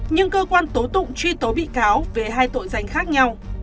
nhưng cơ quan tố tụng truy tố bị cáo về hai tội danh khác nhau